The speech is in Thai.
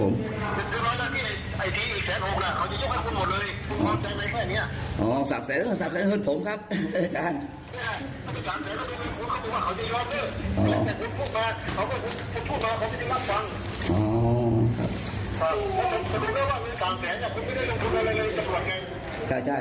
มีโทรศัพท์จากตำรวจชุดที่ไถ